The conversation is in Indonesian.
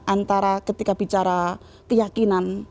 antara ketika bicara keyakinan